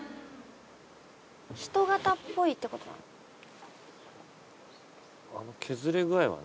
人型っぽいってことなの？